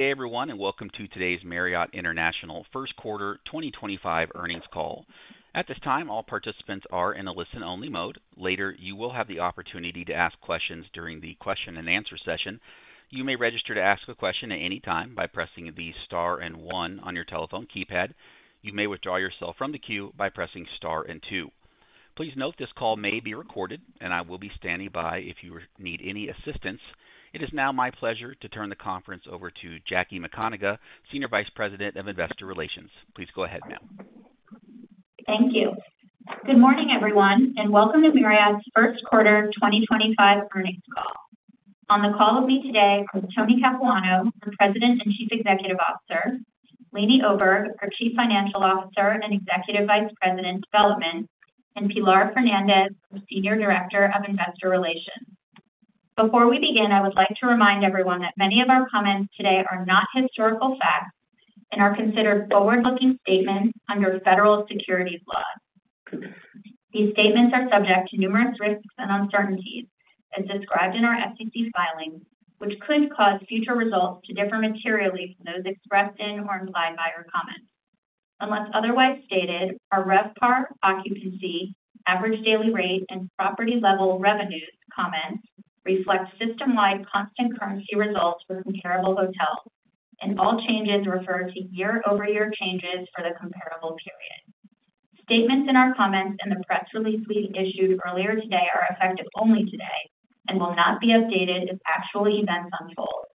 Hey everyone, and welcome to today's Marriott International First Quarter 2025 earnings call. At this time, all participants are in a listen-only mode. Later, you will have the opportunity to ask questions during the question-and-answer session. You may register to ask a question at any time by pressing the star and one on your telephone keypad. You may withdraw yourself from the queue by pressing star and two. Please note this call may be recorded, and I will be standing by if you need any assistance. It is now my pleasure to turn the conference over to Jackie McConagha, Senior Vice President of Investor Relations. Please go ahead, ma'am. Thank you. Good morning, everyone, and welcome to Marriott's First Quarter 2025 earnings call. On the call with me today are ony Capuano, our President and Chief Executive Officer; Leeny Oberg, our Chief Financial Officer and Executive Vice President of Development; and Pilar Fernandez, our Senior Director of Investor Relations. Before we begin, I would like to remind everyone that many of our comments today are not historical facts and are considered forward-looking statements under federal securities law. These statements are subject to numerous risks and uncertainties, as described in our FTC filings, which could cause future results to differ materially from those expressed in or implied by your comments. Unless otherwise stated, our RevPAR, Occupancy, Average Daily Rate, and Property Level Revenues comments reflect system-wide constant currency results for comparable hotels, and all changes refer to year-over-year changes for the comparable period. Statements in our comments and the press release we issued earlier today are effective only today and will not be updated as actual events unfold.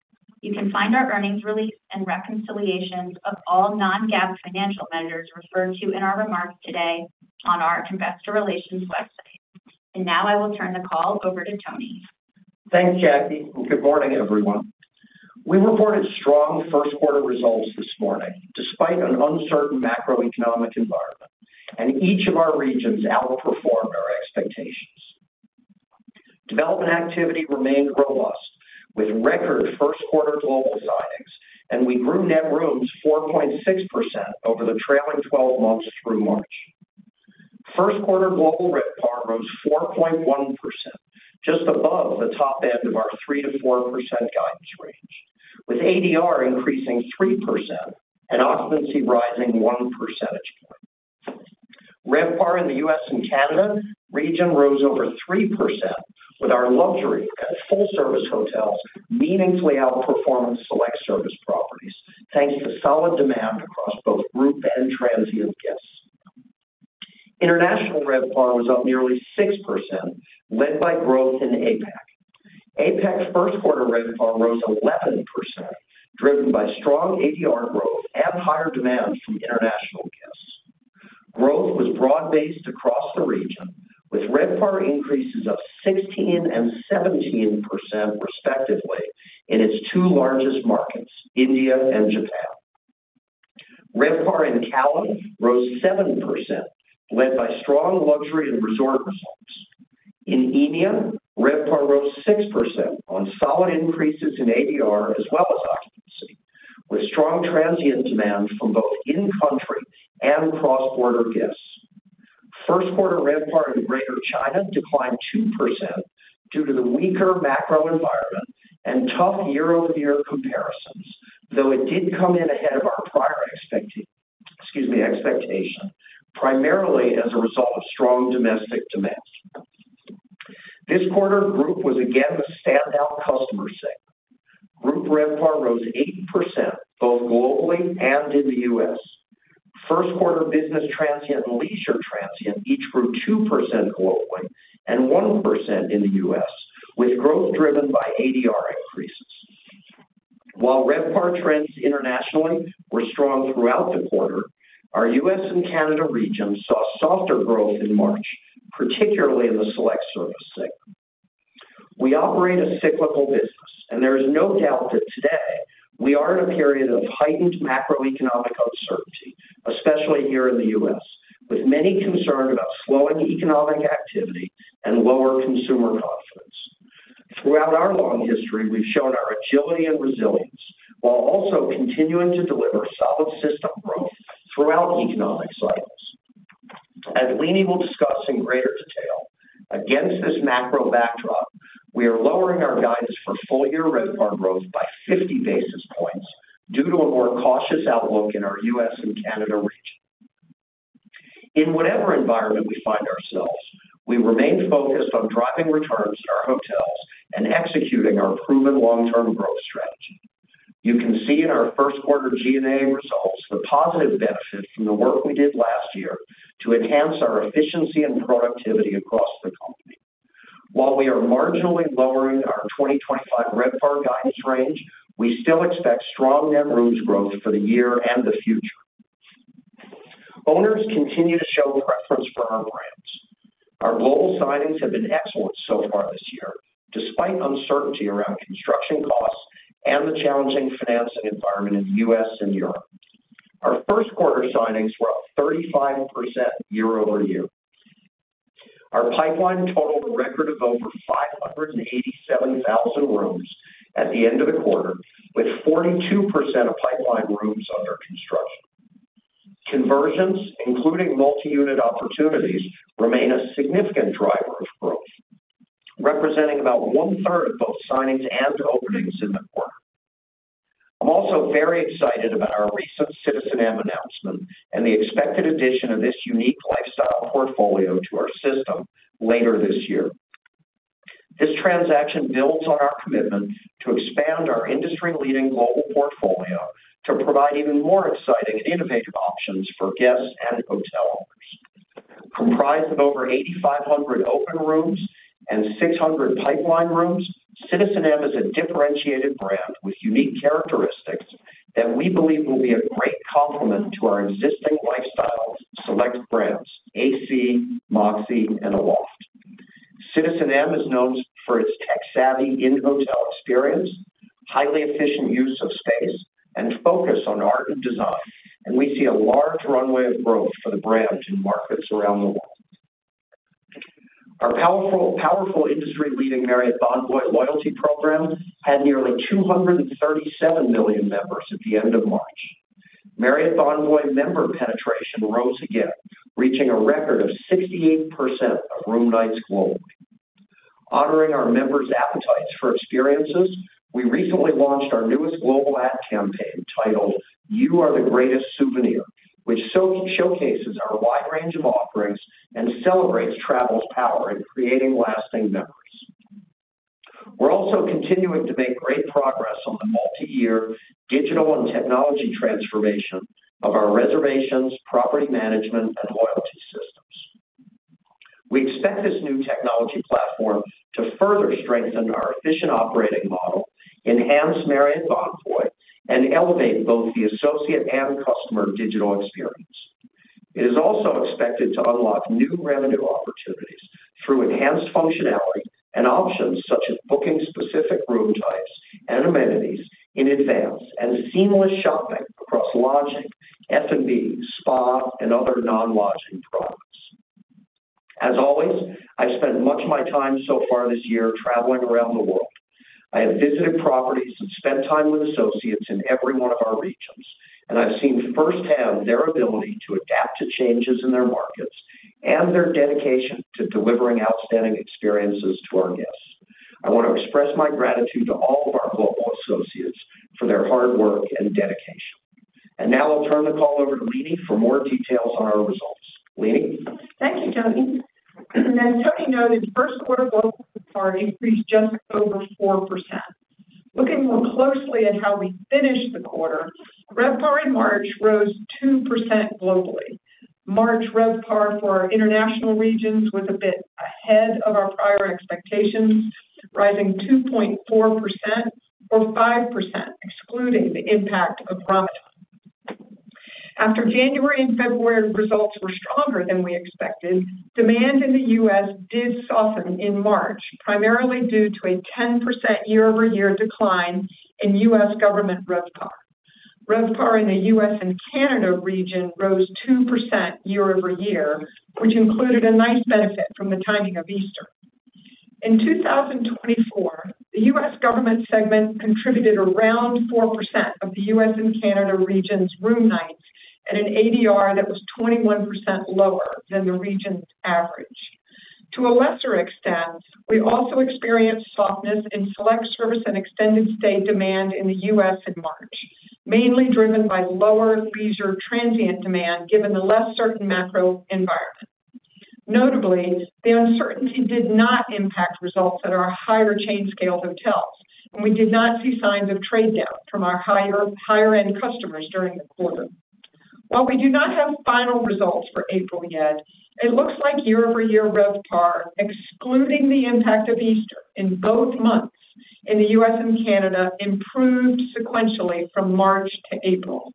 You can find our earnings release and reconciliations of all non-GAAP financial measures referred to in our remarks today on our Investor Relations website. I will now turn the call over to Anthony. Thanks, Jackie. Good morning, everyone. We reported strong first-quarter results this morning despite an uncertain macroeconomic environment, and each of our regions outperformed our expectations. Development activity remained robust with record first-quarter global signings, and we grew net rooms 4.6% over the trailing 12 months through March. First-quarter global RevPAR rose 4.1%, just above the top end of our 3-4% guidance range, with ADR increasing 3% and occupancy rising 1 percentage point. RevPAR in the U.S. and Canada region rose over 3%, with our luxury and full-service hotels meaningfully outperforming select service properties, thanks to solid demand across both group and transient guests. International RevPAR was up nearly 6%, led by growth in APAC. APAC first-quarter RevPAR rose 11%, driven by strong ADR growth and higher demand from international guests. Growth was broad-based across the region, with RevPAR increases of 16% and 17% respectively in its two largest markets, India and Japan. RevPAR in Caribbean rose 7%, led by strong luxury and resort results. In India, RevPAR rose 6% on solid increases in ADR as well as occupancy, with strong transient demand from both in-country and cross-border guests. First-quarter RevPAR in Greater China declined 2% due to the weaker macro environment and tough year-over-year comparisons, though it did come in ahead of our prior expectation primarily as a result of strong domestic demand. This quarter, group was again the standout customer segment. Group RevPAR rose 8% both globally and in the U.S. First-quarter business transient and leisure transient each grew 2% globally and 1% in the U.S., with growth driven by ADR increases. While RevPAR trends internationally were strong throughout the quarter, our U.S. and Canada region saw softer growth in March, particularly in the select service segment. We operate a cyclical business, and there is no doubt that today we are in a period of heightened macroeconomic uncertainty, especially here in the U.S., with many concerned about slowing economic activity and lower consumer confidence. Throughout our long history, we've shown our agility and resilience while also continuing to deliver solid system growth throughout economic cycles. As Leeny will discuss in greater detail, against this macro backdrop, we are lowering our guidance for full-year RevPAR growth by 50 basis points due to a more cautious outlook in our U.S. and Canada region. In whatever environment we find ourselves, we remain focused on driving returns at our hotels and executing our proven long-term growth strategy. You can see in our first-quarter G&A results the positive benefit from the work we did last year to enhance our efficiency and productivity across the company. While we are marginally lowering our 2025 RevPAR guidance range, we still expect strong net rooms growth for the year and the future. Owners continue to show preference for our brands. Our global signings have been excellent so far this year, despite uncertainty around construction costs and the challenging financing environment in the U.S. and Europe. Our first-quarter signings were up 35% year-over-year. Our pipeline totaled a record of over 587,000 rooms at the end of the quarter, with 42% of pipeline rooms under construction. Conversions, including multi-unit opportunities, remain a significant driver of growth, representing about one-third of both signings and openings in the quarter. I'm also very excited about our recent citizenM announcement and the expected addition of this unique lifestyle portfolio to our system later this year. This transaction builds on our commitment to expand our industry-leading global portfolio to provide even more exciting and innovative options for guests and hotel owners. Comprised of over 8,500 open rooms and 600 pipeline rooms, citizenM is a differentiated brand with unique characteristics that we believe will be a great complement to our existing lifestyle select brands: AC, Moxy, and Aloft. CitizenM is known for its tech-savvy in-hotel experience, highly efficient use of space, and focus on art and design, and we see a large runway of growth for the brand in markets around the world. Our powerful industry-leading Marriott Bonvoy loyalty program had nearly 237 million members at the end of March. Marriott Bonvoy member penetration rose again, reaching a record of 68% of room nights globally. Honoring our members' appetites for experiences, we recently launched our newest global ad campaign titled "You Are the Greatest Souvenir," which showcases our wide range of offerings and celebrates travel's power in creating lasting memories. We are also continuing to make great progress on the multi-year digital and technology transformation of our reservations, property management, and loyalty systems. We expect this new technology platform to further strengthen our efficient operating model, enhance Marriott Bonvoy, and elevate both the associate and customer digital experience. It is also expected to unlock new revenue opportunities through enhanced functionality and options such as booking specific room types and amenities in advance and seamless shopping across lodging, F&B, spa, and other non-lodging products. As always, I have spent much of my time so far this year traveling around the world. I have visited properties and spent time with associates in every one of our regions, and I've seen firsthand their ability to adapt to changes in their markets and their dedication to delivering outstanding experiences to our guests. I want to express my gratitude to all of our global associates for their hard work and dedication. I will now turn the call over to Leeny for more details on our results. Leeny. Thank you, Thony. As Thony noted, first-quarter global recovery increased just over 4%. Looking more closely at how we finished the quarter, RevPAR in March rose 2% globally. March RevPAR for our international regions was a bit ahead of our prior expectations, rising 2.4% or 5%, excluding the impact of Ramadan. After January and February results were stronger than we expected, demand in the U.S. did soften in March, primarily due to a 10% year-over-year decline in U.S. government RevPAR. RevPAR in the U.S. and Canada region rose 2% year-over-year, which included a nice benefit from the timing of Easter. In 2024, the U.S. government segment contributed around 4% of the U.S. and Canada region's room nights at an ADR that was 21% lower than the region's average. To a lesser extent, we also experienced softness in select service and extended stay demand in the U.S. In March, mainly driven by lower leisure transient demand given the less certain macro environment. Notably, the uncertainty did not impact results at our higher chain-scale hotels, and we did not see signs of trade-down from our higher-end customers during the quarter. While we do not have final results for April yet, it looks like year-over-year RevPAR, excluding the impact of Easter in both months in the U.S. and Canada, improved sequentially from March to April.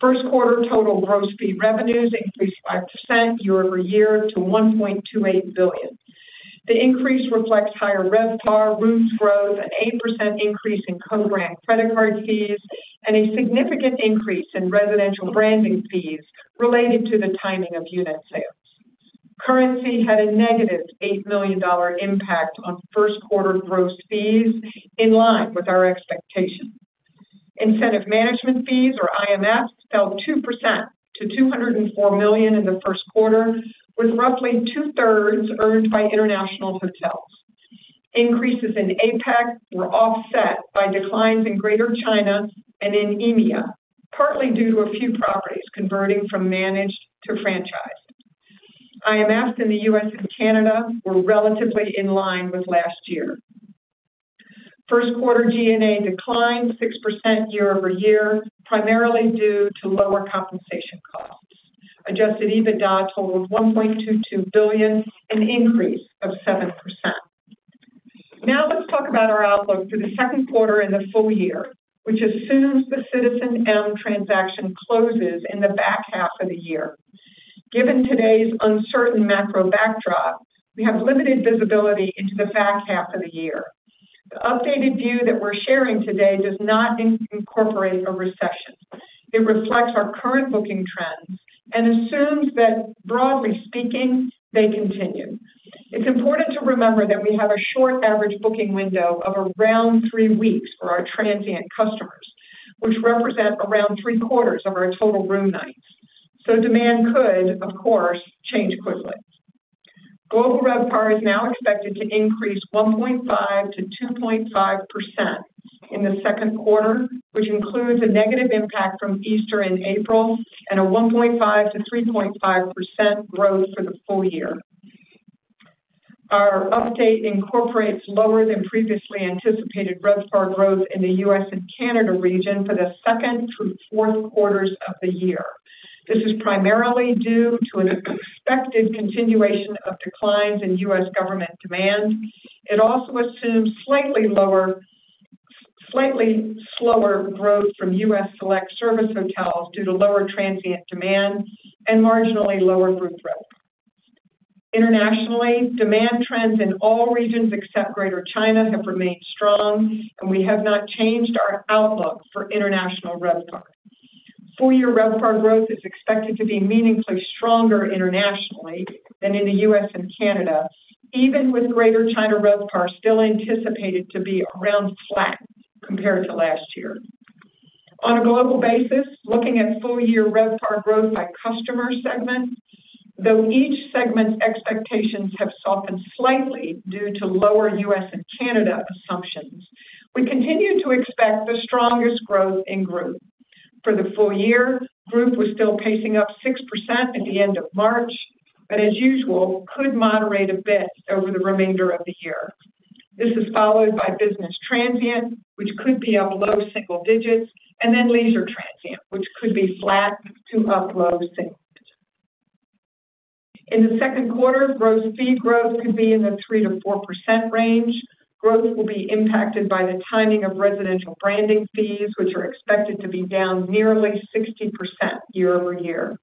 First-quarter total gross fee revenues increased 5% year-over-year to $1.28 billion. The increase reflects higher RevPAR, rooms growth, an 8% increase in co-branded credit card fees, and a significant increase in residential branding fees related to the timing of unit sales. Currency had a negative $8 million impact on first-quarter gross fees in line with our expectation. Incentive management fees, or IMF, fell 2% to $204 million in the first quarter, with roughly two-thirds earned by international hotels. Increases in APAC were offset by declines in Greater China and in India, partly due to a few properties converting from managed to franchised. IMF in the U.S. and Canada were relatively in line with last year. First-quarter G&A declined 6% year-over-year, primarily due to lower compensation costs. Adjusted EBITDA totaled $1.22 billion, an increase of 7%. Now let's talk about our outlook for the second quarter and the full year, which assumes the citizenM transaction closes in the back half of the year. Given today's uncertain macro backdrop, we have limited visibility into the back half of the year. The updated view that we're sharing today does not incorporate a recession. It reflects our current booking trends and assumes that, broadly speaking, they continue. It's important to remember that we have a short average booking window of around three weeks for our transient customers, which represent around three-quarters of our total room nights. Demand could, of course, change quickly. Global RevPAR is now expected to increase 1.5%-2.5% in the second quarter, which includes a negative impact from Easter in April, and a 1.5%-3.5% growth for the full year. Our update incorporates lower than previously anticipated RevPAR growth in the U.S. and Canada region for the second through fourth quarters of the year. This is primarily due to an expected continuation of declines in U.S. government demand. It also assumes slightly slower growth from U.S. select service hotels due to lower transient demand and marginally lower room rents. Internationally, demand trends in all regions except Greater China have remained strong, and we have not changed our outlook for international RevPAR. Four-year RevPAR growth is expected to be meaningfully stronger internationally than in the U.S. and Canada, even with Greater China RevPAR still anticipated to be around flat compared to last year. On a global basis, looking at full-year RevPAR growth by customer segment, though each segment's expectations have softened slightly due to lower U.S. and Canada assumptions, we continue to expect the strongest growth in group. For the full year, group was still pacing up 6% at the end of March, but as usual, could moderate a bit over the remainder of the year. This is followed by business transient, which could be up low single digits, and then leisure transient, which could be flat to up low single digits. In the second quarter, gross fee growth could be in the 3%-4% range. Growth will be impacted by the timing of residential branding fees, which are expected to be down nearly 60% year-over-year.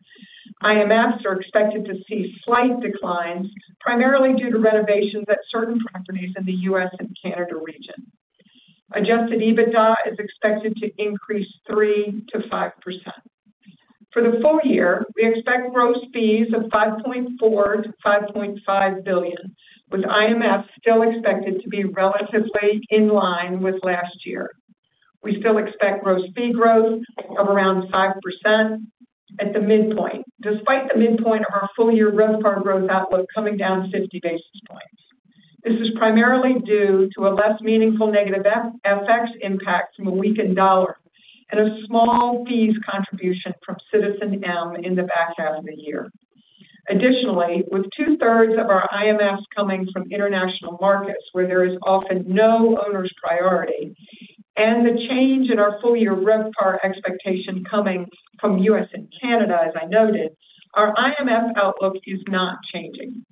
IMF's are expected to see slight declines, primarily due to renovations at certain properties in the U.S. and Canada region. Adjusted EBITDA is expected to increase 3%-5%. For the full year, we expect gross fees of $5.4 billion-$5.5 billion, with IMF still expected to be relatively in line with last year. We still expect gross fee growth of around 5% at the midpoint, despite the midpoint of our full-year RevPAR growth outlook coming down 50 basis points. This is primarily due to a less meaningful negative FX impact from a weakened dollar and a small fees contribution from CitizenM in the back half of the year. Additionally, with two-thirds of our IMFs coming from international markets, where there is often no owner's priority, and the change in our full-year RevPAR expectation coming from U.S. and Canada, as I noted, our IMF outlook is not changing.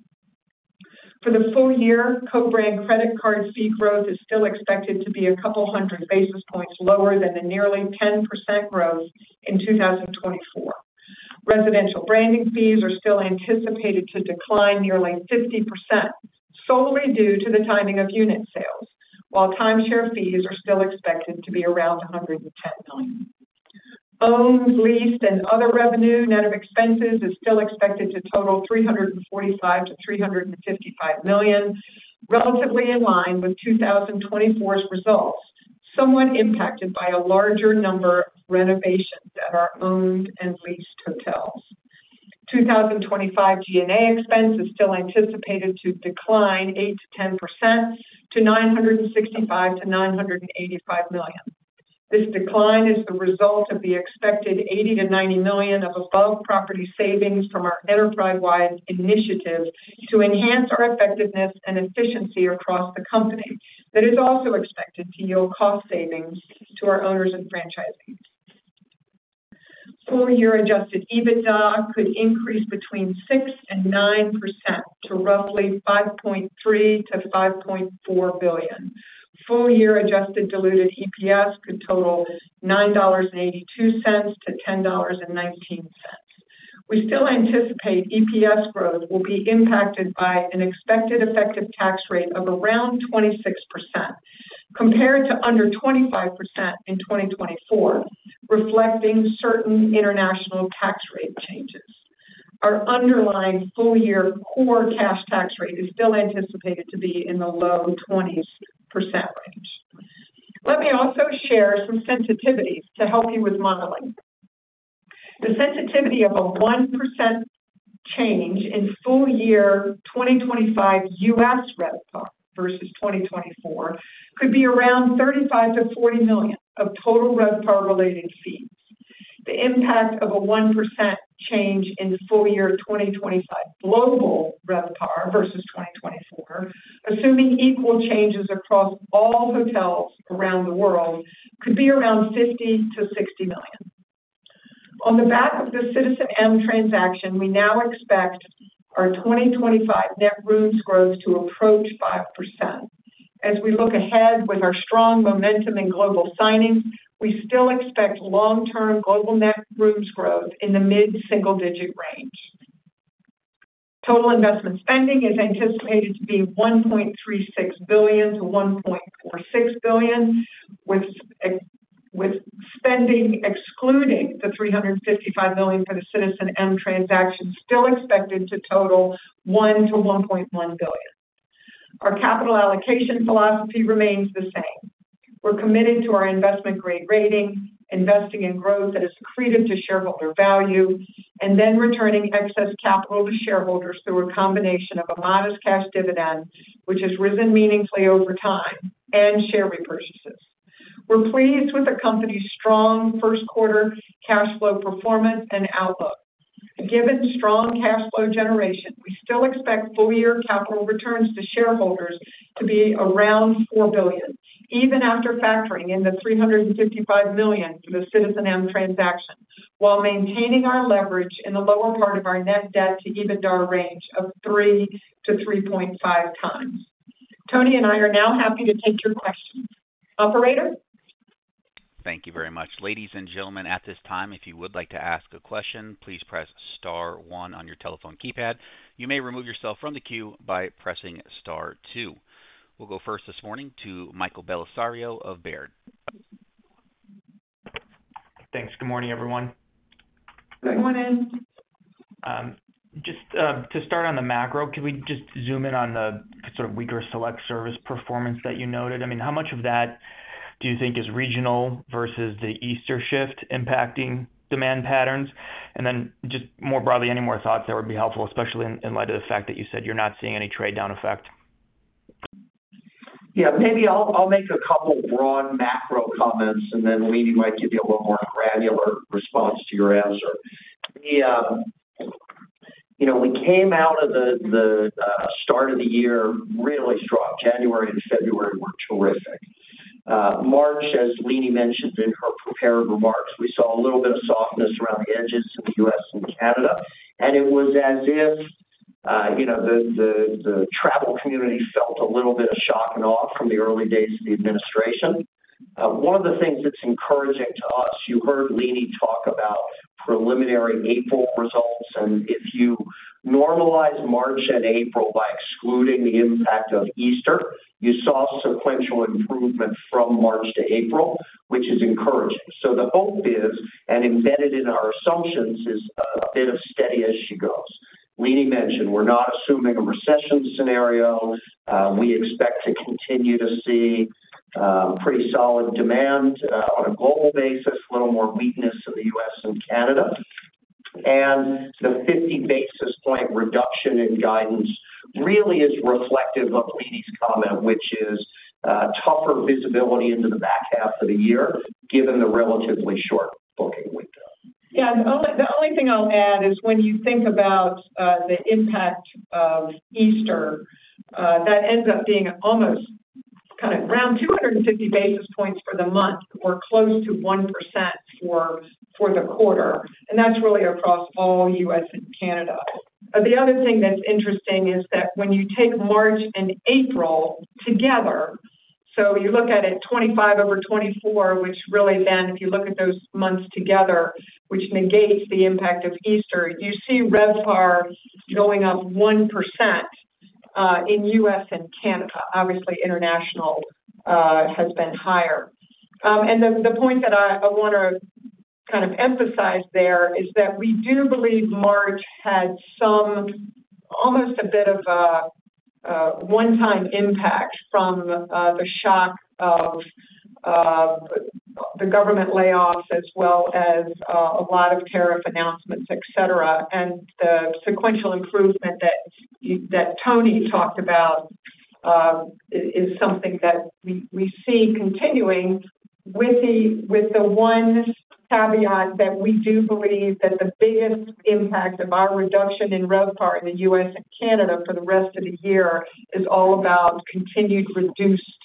For the full year, co-brand credit card fee growth is still expected to be a couple hundred basis points lower than the nearly 10% growth in 2024. Residential branding fees are still anticipated to decline nearly 50% solely due to the timing of unit sales, while timeshare fees are still expected to be around $110 million. Owned, leased, and other revenue net of expenses is still expected to total $345-$355 million, relatively in line with 2024's results, somewhat impacted by a larger number of renovations at our owned and leased hotels. 2025 G&A expense is still anticipated to decline 8%-10% to $965-$985 million. This decline is the result of the expected $80 million-$90 million of above-property savings from our enterprise-wide initiative to enhance our effectiveness and efficiency across the company. That is also expected to yield cost savings to our owners and franchisees. Full-year adjusted EBITDA could increase between 6% and 9% to roughly $5.3 billion-$5.4 billion. Full-year adjusted diluted EPS could total $9.82-$10.19. We still anticipate EPS growth will be impacted by an expected effective tax rate of around 26%, compared to under 25% in 2024, reflecting certain international tax rate changes. Our underlying full-year core cash tax rate is still anticipated to be in the low 20% range. Let me also share some sensitivities to help you with modeling. The sensitivity of a 1% change in full-year 2025 U.S. RevPAR versus 2024 could be around $35 million-$40 million of total RevPAR-related fees. The impact of a 1% change in full-year 2025 global RevPAR versus 2024, assuming equal changes across all hotels around the world, could be around $50 million-$60 million. On the back of the citizenM transaction, we now expect our 2025 net rooms growth to approach 5%. As we look ahead with our strong momentum in global signings, we still expect long-term global net rooms growth in the mid-single-digit range. Total investment spending is anticipated to be $1.36 billion-$1.46 billion, with spending excluding the $355 million for the citizenM transaction still expected to total $1 billion-$1.1 billion. Our capital allocation philosophy remains the same. We're committed to our investment-grade rating, investing in growth that is accretive to shareholder value, and then returning excess capital to shareholders through a combination of a modest cash dividend, which has risen meaningfully over time, and share repurchases. We're pleased with the company's strong first-quarter cash flow performance and outlook. Given strong cash flow generation, we still expect full-year capital returns to shareholders to be around $4 billion, even after factoring in the $355 million for the citizenM transaction, while maintaining our leverage in the lower part of our net debt to EBITDA range of 3-3.5 times. Thony and I are now happy to take your questions. Operator? Thank you very much. Ladies and gentlemen, at this time, if you would like to ask a question, please press Star one on your telephone keypad. You may remove yourself from the queue by pressing Star two. We'll go first this morning to Michael Bellisario of Baird. Thanks. Good morning, everyone. Good morning. Just to start on the macro, can we just zoom in on the sort of weaker select service performance that you noted? I mean, how much of that do you think is regional versus the Easter shift impacting demand patterns? And then just more broadly, any more thoughts that would be helpful, especially in light of the fact that you said you're not seeing any trade-down effect? Yeah, maybe I'll make a couple broad macro comments, and then Leeny might give you a little more granular response to your answer. We came out of the start of the year really strong. January and February were terrific. March, as Leeny mentioned in her prepared remarks, we saw a little bit of softness around the edges in the U.S. and Canada, and it was as if the travel community felt a little bit of shock and awe from the early days of the administration. One of the things that's encouraging to us, you heard Leeny talk about preliminary April results, and if you normalize March and April by excluding the impact of Easter, you saw sequential improvement from March to April, which is encouraging. The hope is, and embedded in our assumptions, is a bit of steady as she goes. Leeny mentioned we're not assuming a recession scenario. We expect to continue to see pretty solid demand on a global basis, a little more weakness in the U.S. and Canada, and the 50 basis point reduction in guidance really is reflective of Leeny's comment, which is tougher visibility into the back half of the year given the relatively short booking window. Yeah, the only thing I'll add is when you think about the impact of Easter, that ends up being almost kind of around 250 basis points for the month or close to 1% for the quarter, and that's really across all U.S. and Canada. The other thing that's interesting is that when you take March and April together, so you look at it 25 over 24, which really then, if you look at those months together, which negates the impact of Easter, you see RevPAR going up 1% in U.S. and Canada. Obviously, international has been higher. The point that I want to kind of emphasize there is that we do believe March had almost a bit of a one-time impact from the shock of the government layoffs as well as a lot of tariff announcements, etc., and the sequential improvement that Tony talked about is something that we see continuing with the one caveat that we do believe that the biggest impact of our reduction in RevPAR in the U.S. and Canada for the rest of the year is all about continued reduced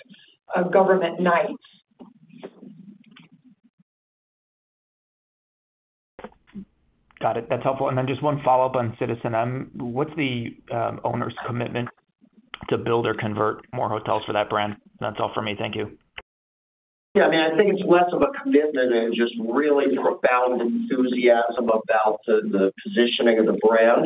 government nights. Got it. That's helpful. Just one follow-up on citizenM. What's the owner's commitment to build or convert more hotels for that brand? That's all for me. Thank you. Yeah, I mean, I think it's less of a commitment and just really profound enthusiasm about the positioning of the brand.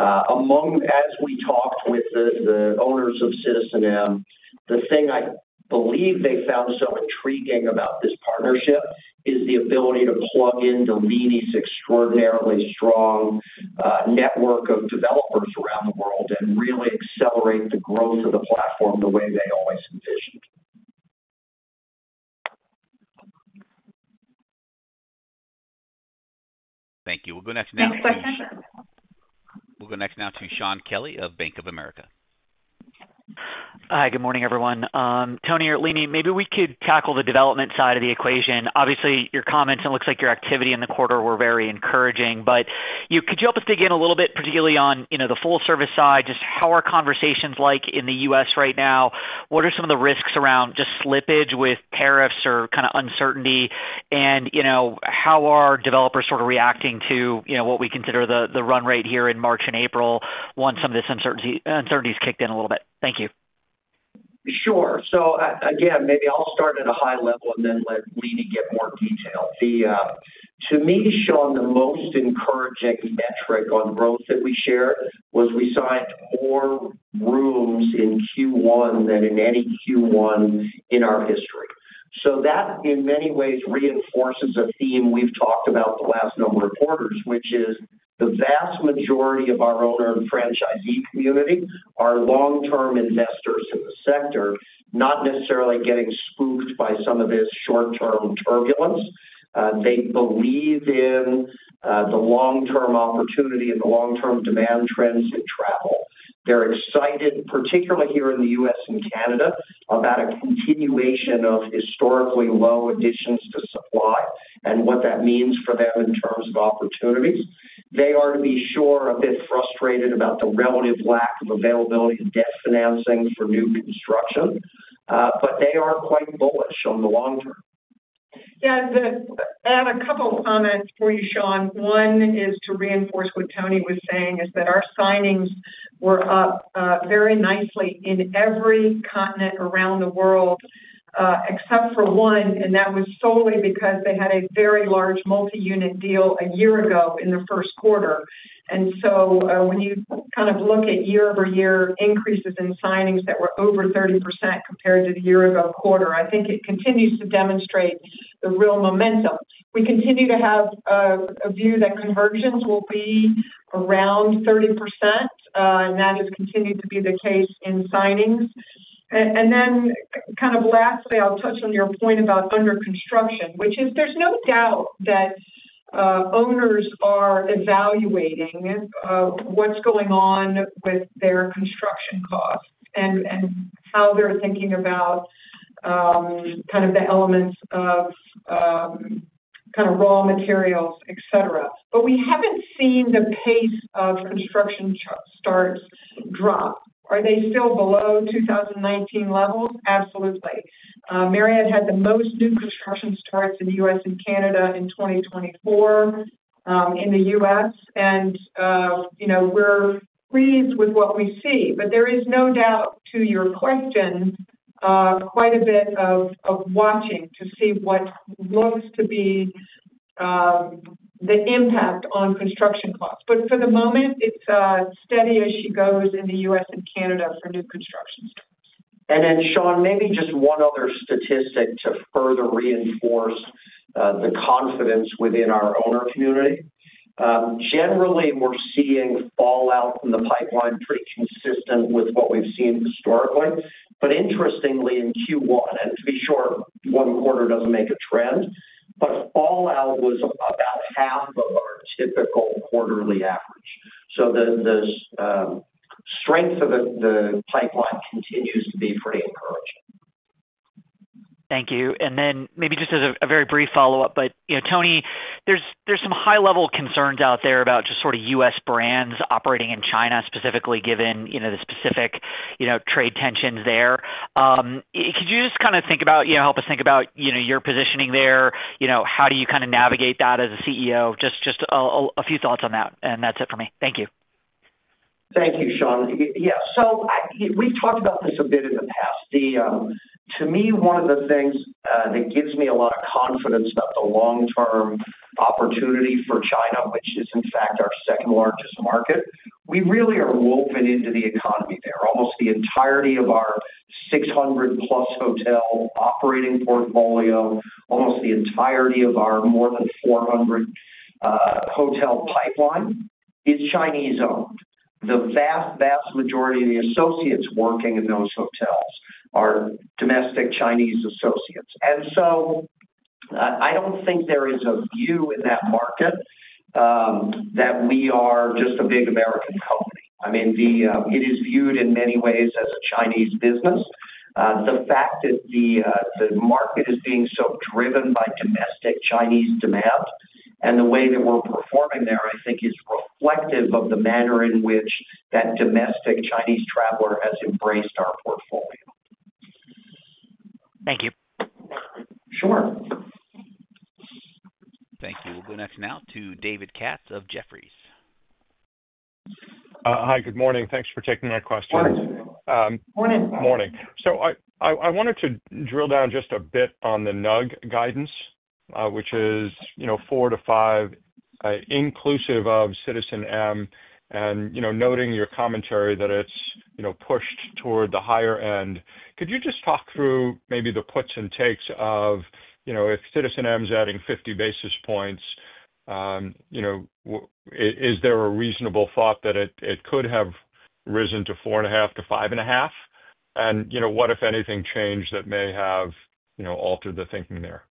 As we talked with the owners of citizenM, the thing I believe they found so intriguing about this partnership is the ability to plug into Leeny's extraordinarily strong network of developers around the world and really accelerate the growth of the platform the way they always envisioned. Thank you. We'll go next now to. Next question. We'll go next now to Shaun Kelley of Bank of America. Hi, good morning, everyone. Thony or Leeny, maybe we could tackle the development side of the equation. Obviously, your comments and it looks like your activity in the quarter were very encouraging, but could you help us dig in a little bit, particularly on the full-service side, just how are conversations like in the U.S. right now? What are some of the risks around just slippage with tariffs or kind of uncertainty, and how are developers sort of reacting to what we consider the run rate here in March and April once some of this uncertainty has kicked in a little bit? Thank you. Sure. Again, maybe I'll start at a high level and then let Leeny get more detail. To me, Shaun, the most encouraging metric on growth that we shared was we signed more rooms in Q1 than in any Q1 in our history. That, in many ways, reinforces a theme we've talked about the last number of quarters, which is the vast majority of our owner and franchisee community are long-term investors in the sector, not necessarily getting spooked by some of this short-term turbulence. They believe in the long-term opportunity and the long-term demand trends in travel. They're excited, particularly here in the U.S. and Canada, about a continuation of historically low additions to supply and what that means for them in terms of opportunities. They are, to be sure, a bit frustrated about the relative lack of availability of debt financing for new construction, but they are quite bullish on the long term. Yeah, I have a couple of comments for you, Shaun. One is to reinforce what Thony was saying, is that our signings were up very nicely in every continent around the world except for one, and that was solely because they had a very large multi-unit deal a year ago in the first quarter. When you kind of look at year-over-year increases in signings that were over 30% compared to the year-ago quarter, I think it continues to demonstrate the real momentum. We continue to have a view that conversions will be around 30%, and that has continued to be the case in signings. Lastly, I'll touch on your point about under-construction, which is there's no doubt that owners are evaluating what's going on with their construction costs and how they're thinking about the elements of raw materials, etc. We have not seen the pace of construction starts drop. Are they still below 2019 levels? Absolutely. Marriott had the most new construction starts in the U.S. and Canada in 2024 in the U.S., and we are pleased with what we see. There is no doubt, to your question, quite a bit of watching to see what looks to be the impact on construction costs. For the moment, it is steady as she goes in the U.S. and Canada for new construction starts. Shaun, maybe just one other statistic to further reinforce the confidence within our owner community. Generally, we're seeing fallout from the pipeline pretty consistent with what we've seen historically. Interestingly, in Q1, and to be sure, one quarter does not make a trend, but fallout was about half of our typical quarterly average. The strength of the pipeline continues to be pretty encouraging. Thank you. Maybe just as a very brief follow-up, but Thony, there are some high-level concerns out there about just sort of U.S. brands operating in China, specifically given the specific trade tensions there. Could you just kind of help us think about your positioning there? How do you kind of navigate that as a CEO? Just a few thoughts on that, and that's it for me. Thank you. Thank you, Shaun. Yeah, we've talked about this a bit in the past. To me, one of the things that gives me a lot of confidence about the long-term opportunity for China, which is in fact our second-largest market, we really are woven into the economy there. Almost the entirety of our 600-plus hotel operating portfolio, almost the entirety of our more than 400 hotel pipeline is Chinese-owned. The vast, vast majority of the associates working in those hotels are domestic Chinese associates. I don't think there is a view in that market that we are just a big American company. I mean, it is viewed in many ways as a Chinese business. The fact that the market is being so driven by domestic Chinese demand and the way that we're performing there, I think, is reflective of the manner in which that domestic Chinese traveler has embraced our portfolio. Thank you. Sure. Thank you. We'll go next now to David Katz of Jefferies. Hi, good morning. Thanks for taking our question. Morning. Morning. I wanted to drill down just a bit on the NUG guidance, which is four to five, inclusive of citizenM, and noting your commentary that it's pushed toward the higher end. Could you just talk through maybe the puts and takes of if citizenM is adding 50 basis points, is there a reasonable thought that it could have risen to four and a half to five and a half? What, if anything, changed that may have altered the thinking there?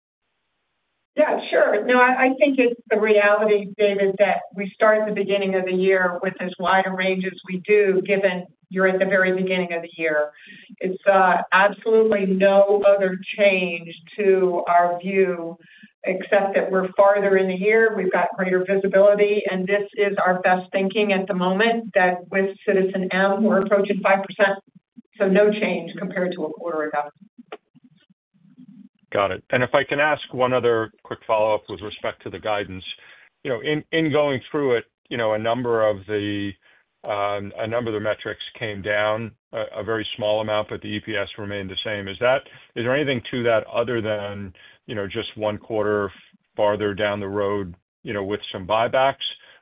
Yeah, sure. No, I think it's the reality, David, that we start the beginning of the year with as wide a range as we do, given you're at the very beginning of the year. It's absolutely no other change to our view, except that we're farther in the year, we've got greater visibility, and this is our best thinking at the moment that with citizenM, we're approaching 5%. So no change compared to a quarter ago. Got it. If I can ask one other quick follow-up with respect to the guidance. In going through it, a number of the metrics came down a very small amount, but the EPS remained the same. Is there anything to that other than just one quarter farther down the road with some buybacks,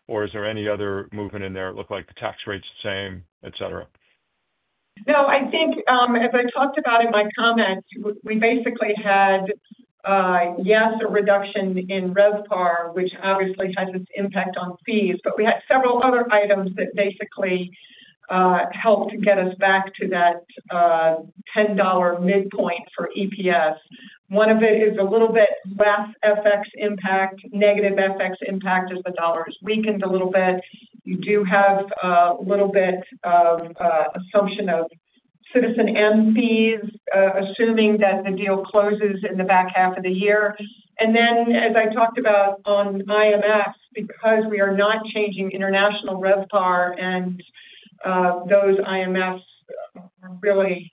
or is there any other movement in there? It looked like the tax rate's the same, etc. No, I think, as I talked about in my comments, we basically had, yes, a reduction in RevPAR, which obviously has its impact on fees, but we had several other items that basically helped to get us back to that $10 midpoint for EPS. One of it is a little bit less FX impact. Negative FX impact as the dollar has weakened a little bit. You do have a little bit of assumption of citizenM fees, assuming that the deal closes in the back half of the year. As I talked about on IMF, because we are not changing international RevPAR and those IMFs really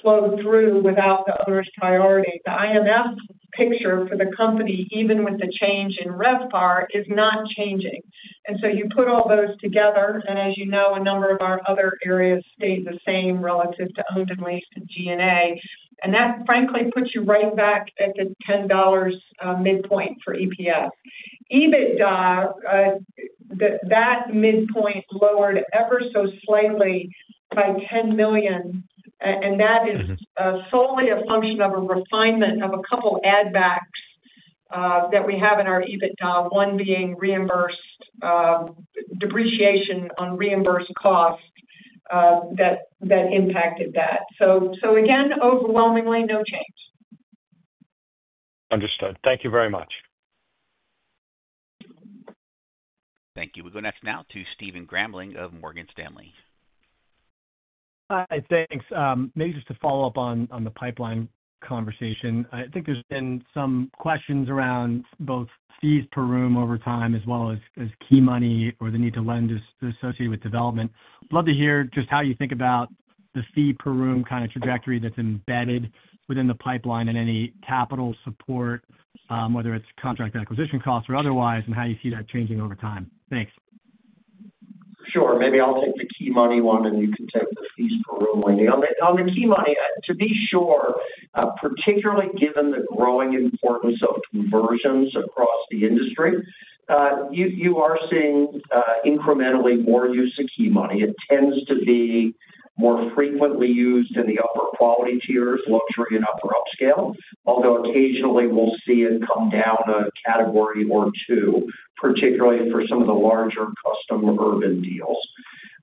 flow through without the owner's priority, the IMF picture for the company, even with the change in RevPAR, is not changing. You put all those together, and as you know, a number of our other areas stay the same relative to owned and leased and G&A, and that, frankly, puts you right back at the $10 midpoint for EPS. EBITDA, that midpoint lowered ever so slightly by $10 million, and that is solely a function of a refinement of a couple of add-backs that we have in our EBITDA, one being depreciation on reimbursed costs that impacted that. Again, overwhelmingly, no change. Understood. Thank you very much. Thank you. We'll go next now to Stephen Grambling of Morgan Stanley. Hi, thanks. Maybe just to follow up on the pipeline conversation. I think there's been some questions around both fees per room over time as well as key money or the need to lend associated with development. I'd love to hear just how you think about the fee per room kind of trajectory that's embedded within the pipeline and any capital support, whether it's contract acquisition costs or otherwise, and how you see that changing over time. Thanks. Sure. Maybe I'll take the key money one, and you can take the fees per room one. On the key money, to be sure, particularly given the growing importance of conversions across the industry, you are seeing incrementally more use of key money. It tends to be more frequently used in the upper quality tiers, luxury and upper upscale, although occasionally we'll see it come down a category or two, particularly for some of the larger custom urban deals.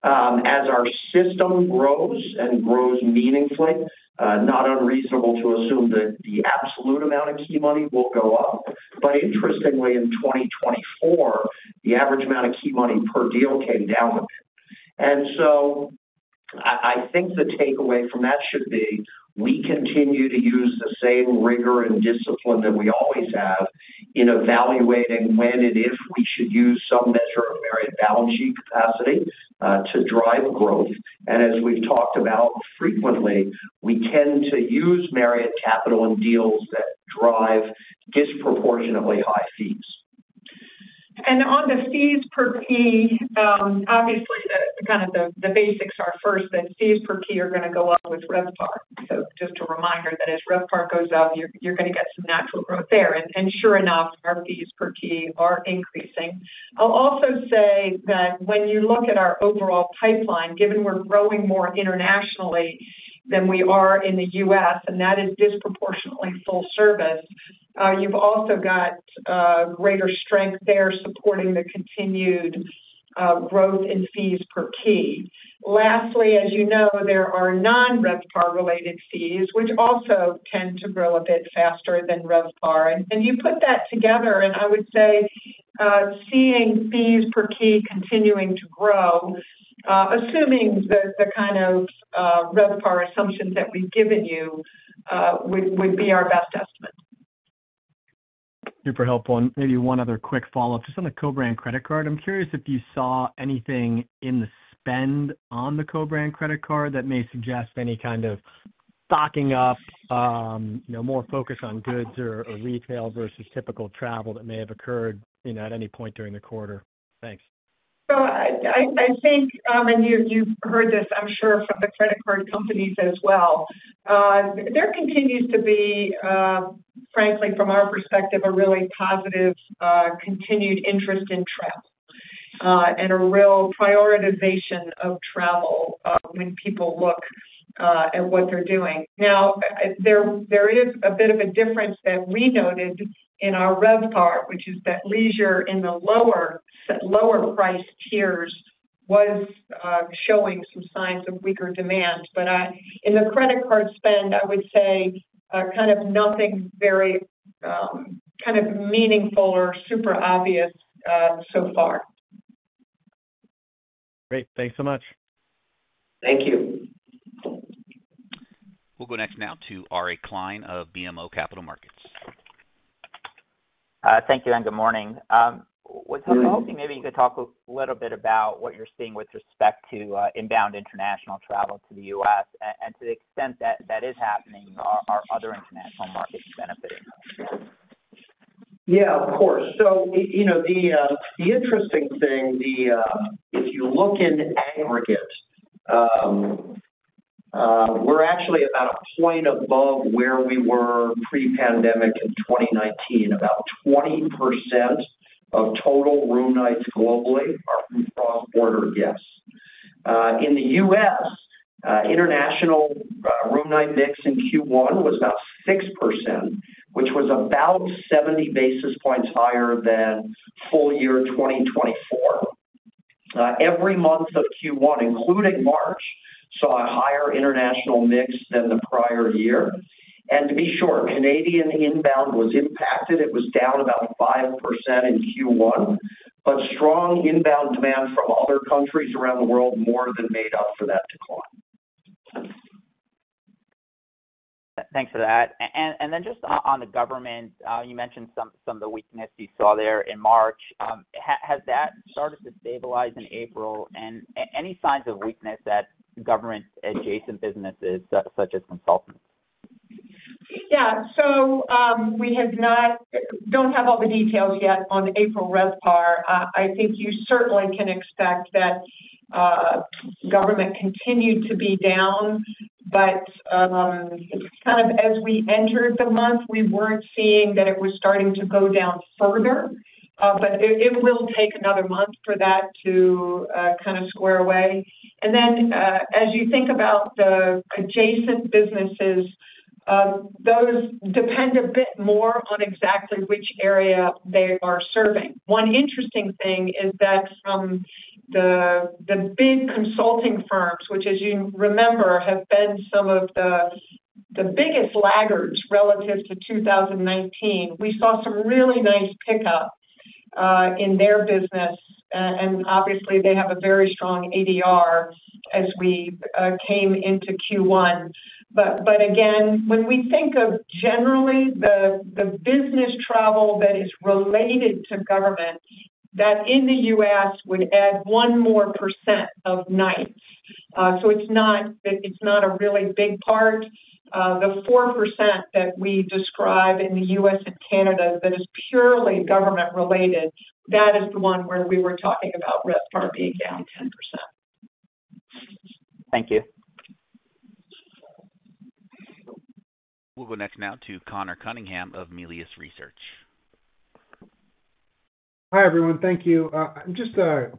As our system grows and grows meaningfully, not unreasonable to assume that the absolute amount of key money will go up, but interestingly, in 2024, the average amount of key money per deal came down a bit. I think the takeaway from that should be we continue to use the same rigor and discipline that we always have in evaluating when and if we should use some measure of Marriott balance sheet capacity to drive growth. As we've talked about frequently, we tend to use Marriott Capital in deals that drive disproportionately high fees. On the fees per key, obviously, kind of the basics are first that fees per key are going to go up with RevPAR. Just a reminder that as RevPAR goes up, you're going to get some natural growth there. Sure enough, our fees per key are increasing. I'll also say that when you look at our overall pipeline, given we're growing more internationally than we are in the U.S., and that is disproportionately full service, you've also got greater strength there supporting the continued growth in fees per key. Lastly, as you know, there are non-RevPAR-related fees, which also tend to grow a bit faster than RevPAR. You put that together, and I would say seeing fees per key continuing to grow, assuming the kind of RevPAR assumptions that we've given you would be our best estimate. Super helpful. Maybe one other quick follow-up. Just on the co-branded credit card, I'm curious if you saw anything in the spend on the co-branded credit card that may suggest any kind of stocking up, more focus on goods or retail versus typical travel that may have occurred at any point during the quarter. Thanks. I think, and you've heard this, I'm sure, from the credit card companies as well. There continues to be, frankly, from our perspective, a really positive continued interest in travel and a real prioritization of travel when people look at what they're doing. Now, there is a bit of a difference that we noted in our RevPAR, which is that leisure in the lower price tiers was showing some signs of weaker demand. But in the credit card spend, I would say kind of nothing very kind of meaningful or super obvious so far. Great. Thanks so much. Thank you. We'll go next now to Ari Klein of BMO Capital Markets. Thank you, and good morning. Hello. Maybe you could talk a little bit about what you're seeing with respect to inbound international travel to the U.S. and to the extent that that is happening, are other international markets benefiting? Yeah, of course. The interesting thing, if you look in aggregate, we're actually about a point above where we were pre-pandemic in 2019, about 20% of total room nights globally are from cross-border guests. In the U.S., international room night mix in Q1 was about 6%, which was about 70 basis points higher than full year 2024. Every month of Q1, including March, saw a higher international mix than the prior year. To be sure, Canadian inbound was impacted. It was down about 5% in Q1, but strong inbound demand from other countries around the world more than made up for that decline. Thanks for that. Then just on the government, you mentioned some of the weakness you saw there in March. Has that started to stabilize in April? Any signs of weakness at government-adjacent businesses such as consultants? Yeah. We do not have all the details yet on April RevPAR. I think you certainly can expect that government continued to be down, but kind of as we entered the month, we were not seeing that it was starting to go down further. It will take another month for that to kind of square away. As you think about the adjacent businesses, those depend a bit more on exactly which area they are serving. One interesting thing is that from the big consulting firms, which, as you remember, have been some of the biggest laggards relative to 2019, we saw some really nice pickup in their business. Obviously, they have a very strong ADR as we came into Q1. Again, when we think of generally the business travel that is related to government, that in the U.S. would add one more % of nights. It is not a really big part. The 4% that we describe in the U.S. and Canada that is purely government-related, that is the one where we were talking about RevPAR being down 10%. Thank you. We'll go next now to Conor Cunningham of Melius Research. Hi, everyone. Thank you. I'm just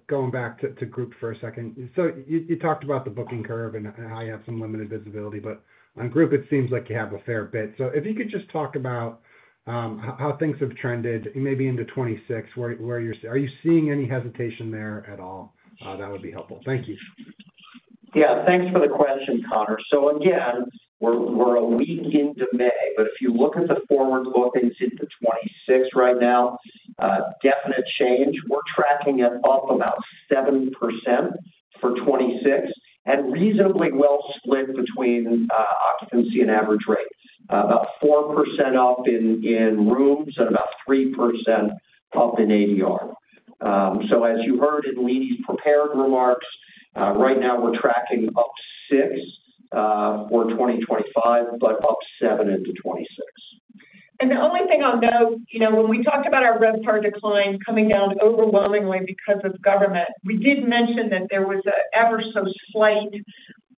going back to Group for a second. You talked about the booking curve and how you have some limited visibility, but on Group, it seems like you have a fair bit. If you could just talk about how things have trended maybe into 2026, are you seeing any hesitation there at all? That would be helpful. Thank you. Yeah. Thanks for the question, Conor. Again, we're a week into May, but if you look at the forward bookings into 2026 right now, definite change. We're tracking it up about 7% for 2026 and reasonably well split between occupancy and average rate, about 4% up in rooms and about 3% up in ADR. As you heard in Leeny's prepared remarks, right now we're tracking up 6% for 2025, but up 7% into 2026. The only thing I'll note, when we talked about our RevPAR decline coming down overwhelmingly because of government, we did mention that there was an ever so slight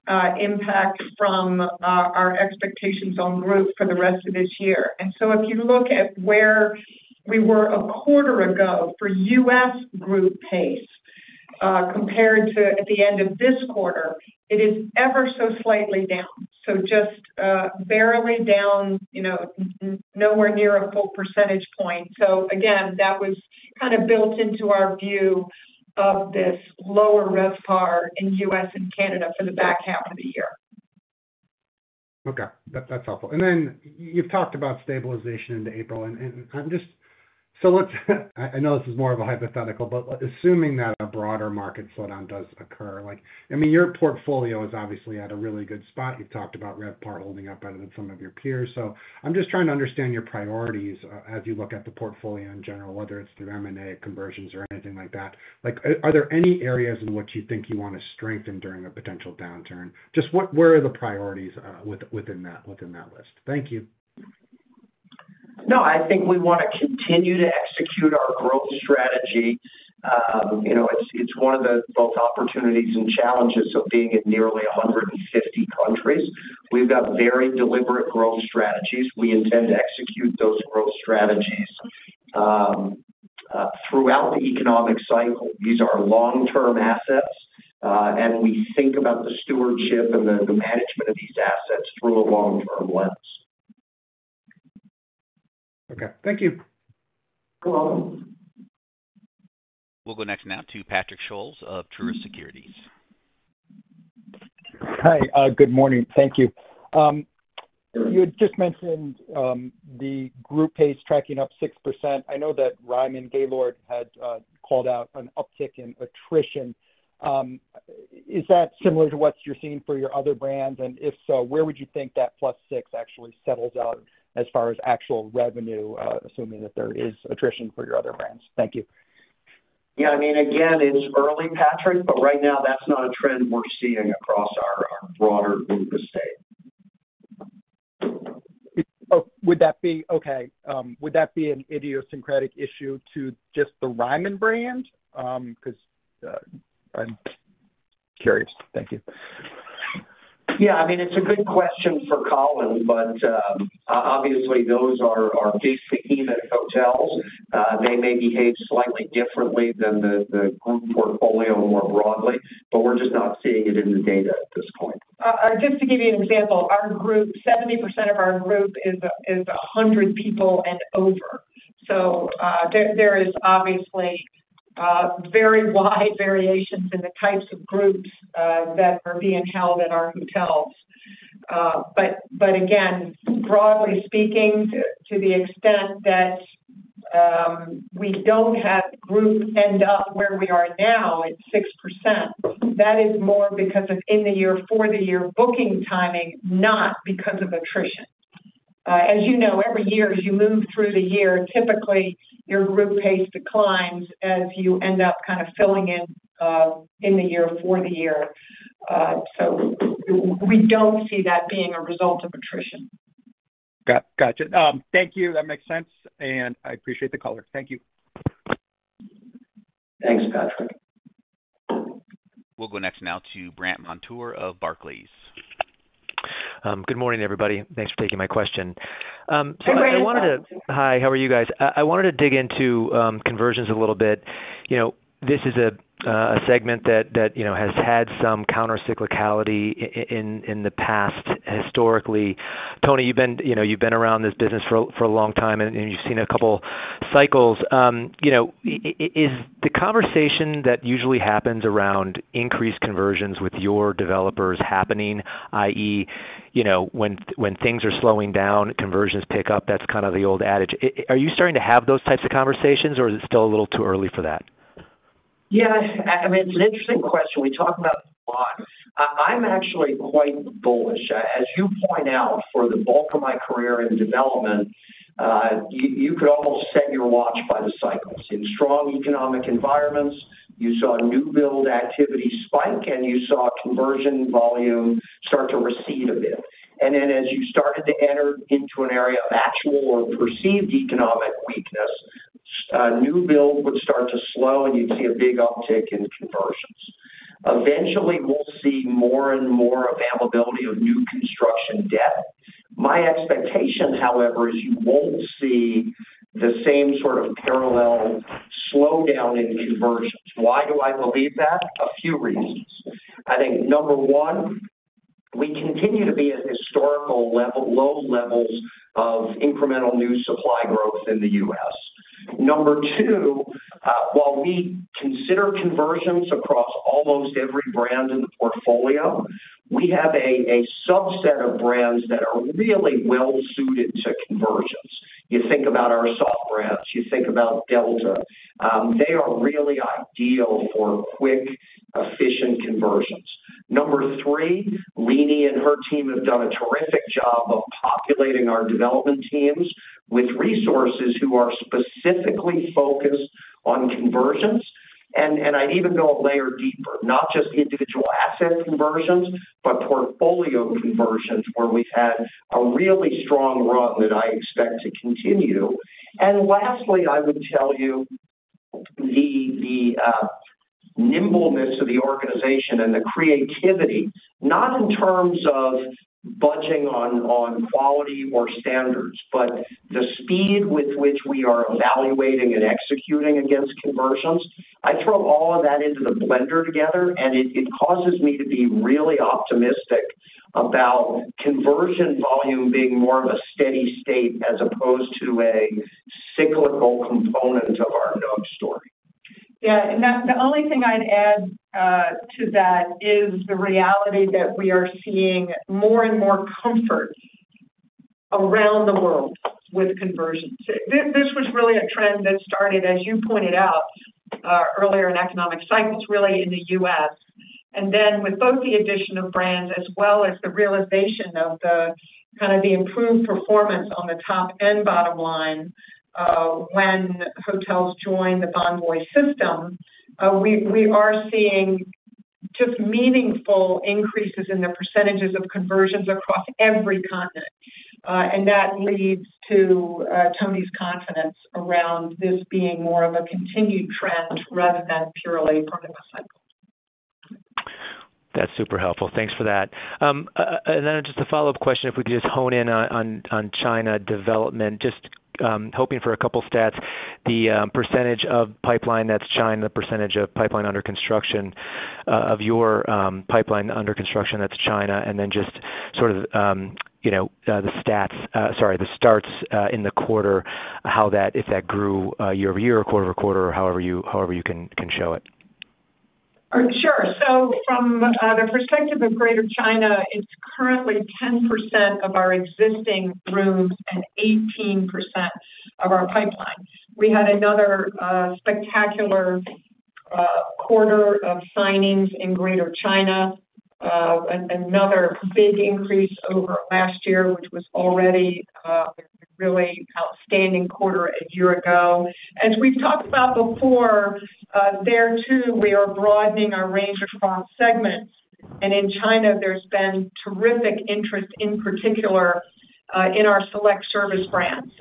impact from our expectations on Group for the rest of this year. If you look at where we were a quarter ago for U.S. Group pace compared to at the end of this quarter, it is ever so slightly down. Just barely down, nowhere near a full percentage point. That was kind of built into our view of this lower RevPAR in U.S. and Canada for the back half of the year. Okay. That's helpful. You talked about stabilization into April. I know this is more of a hypothetical, but assuming that a broader market slowdown does occur, I mean, your portfolio is obviously at a really good spot. You talked about RevPAR holding up better than some of your peers. I'm just trying to understand your priorities as you look at the portfolio in general, whether it's through M&A, conversions, or anything like that. Are there any areas in which you think you want to strengthen during a potential downturn? Just where are the priorities within that list? Thank you. No, I think we want to continue to execute our growth strategy. It's one of the both opportunities and challenges of being in nearly 150 countries. We've got very deliberate growth strategies. We intend to execute those growth strategies throughout the economic cycle. These are long-term assets, and we think about the stewardship and the management of these assets through a long-term lens. Okay. Thank you. You're welcome. We'll go next now to Patrick Scholes of Truist Securities. Hi. Good morning. Thank you. You had just mentioned the Group pace tracking up 6%. I know that Ryman Gaylord had called out an uptick in attrition. Is that similar to what you're seeing for your other brands? If so, where would you think that plus 6 actually settles out as far as actual revenue, assuming that there is attrition for your other brands? Thank you. Yeah. I mean, again, it's early, Patrick, but right now, that's not a trend we're seeing across our broader group estate. Would that be okay? Would that be an idiosyncratic issue to just the Ryman brand? Because I'm curious. Thank you. Yeah. I mean, it's a good question for Colin, but obviously, those are big behemoth hotels. They may behave slightly differently than the Group portfolio more broadly, but we're just not seeing it in the data at this point. Just to give you an example, 70% of our group is 100 people and over. There is obviously very wide variations in the types of groups that are being held at our hotels. Again, broadly speaking, to the extent that we do not have Group end up where we are now at 6%, that is more because of in-the-year, for-the-year booking timing, not because of attrition. As you know, every year as you move through the year, typically, your Group pace declines as you end up kind of filling in in-the-year, for-the-year. We do not see that being a result of attrition. Gotcha. Thank you. That makes sense. I appreciate the color. Thank you. Thanks, Patrick. We'll go next now to Brandt Montour of Barclays. Good morning, everybody. Thanks for taking my question. Hey, Brandt. Hi. How are you guys? I wanted to dig into conversions a little bit. This is a segment that has had some countercyclicality in the past historically. Tony, you've been around this business for a long time, and you've seen a couple cycles. Is the conversation that usually happens around increased conversions with your developers happening, i.e., when things are slowing down, conversions pick up, that's kind of the old adage, are you starting to have those types of conversations, or is it still a little too early for that? Yeah. I mean, it's an interesting question. We talk about it a lot. I'm actually quite bullish. As you point out, for the bulk of my career in development, you could almost set your watch by the cycles. In strong economic environments, you saw new build activity spike, and you saw conversion volume start to recede a bit. As you started to enter into an area of actual or perceived economic weakness, new build would start to slow, and you'd see a big uptick in conversions. Eventually, we'll see more and more availability of new construction debt. My expectation, however, is you won't see the same sort of parallel slowdown in conversions. Why do I believe that? A few reasons. I think number one, we continue to be at historical low levels of incremental new supply growth in the U.S. Number two, while we consider conversions across almost every brand in the portfolio, we have a subset of brands that are really well-suited to conversions. You think about our soft brands. You think about Delta. They are really ideal for quick, efficient conversions. Number three, Leeny and her team have done a terrific job of populating our development teams with resources who are specifically focused on conversions. I'd even go a layer deeper, not just individual asset conversions, but portfolio conversions where we've had a really strong run that I expect to continue. Lastly, I would tell you the nimbleness of the organization and the creativity, not in terms of budging on quality or standards, but the speed with which we are evaluating and executing against conversions. I throw all of that into the blender together, and it causes me to be really optimistic about conversion volume being more of a steady state as opposed to a cyclical component of our dog story. Yeah. The only thing I'd add to that is the reality that we are seeing more and more comfort around the world with conversions. This was really a trend that started, as you pointed out earlier, in economic cycles, really in the U.S. With both the addition of brands as well as the realization of kind of the improved performance on the top and bottom line when hotels joined the Bonvoy system, we are seeing just meaningful increases in the percentages of conversions across every continent. That leads to Thony's confidence around this being more of a continued trend rather than purely part of a cycle. That's super helpful. Thanks for that. Just a follow-up question, if we could just hone in on China development. Just hoping for a couple of stats. The percentage of pipeline that's China, the percentage of pipeline under construction of your pipeline under construction that's China, and then just sort of the stats, sorry, the starts in the quarter, how that, if that grew year over year, quarter over quarter, or however you can show it. Sure. From the perspective of Greater China, it is currently 10% of our existing rooms and 18% of our pipeline. We had another spectacular quarter of signings in Greater China, another big increase over last year, which was already a really outstanding quarter a year ago. As we have talked about before, there too, we are broadening our range across segments. In China, there has been terrific interest, in particular, in our select service brands.